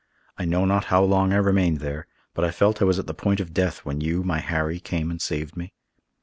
I know not how long I remained there, but I felt I was at the point of death when you, my Harry, came and saved me.